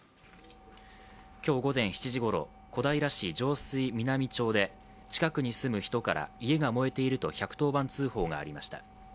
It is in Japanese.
今日午前７時ごろ、小平市上水南町で近くに住む人から家が燃えていると１１０番通報がありました。